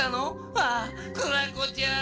ああクラコちゃん！